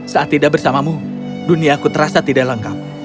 saat tidak bersamamu dunia aku terasa tidak lengkap